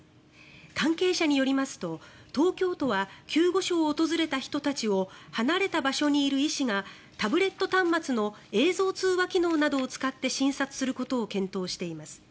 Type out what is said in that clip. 関係者によりますと東京都は救護所を訪れた人たちを離れた場所にいる医師がタブレット端末の映像通話機能などを使って診察することを検討しています。